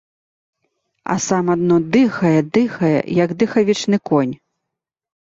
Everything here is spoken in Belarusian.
А сам адно дыхае, дыхае, як дыхавічны конь.